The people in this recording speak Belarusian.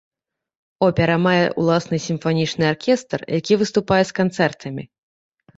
Опера мае ўласны сімфанічны аркестр, які выступае з канцэртамі.